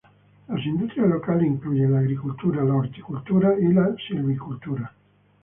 Las industrias locales incluyen la agricultura la horticultura y la silvicultura.